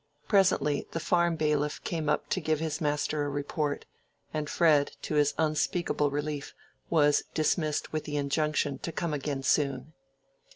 Presently, the farm bailiff came up to give his master a report, and Fred, to his unspeakable relief, was dismissed with the injunction to come again soon.